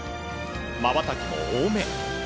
まばたきも多め。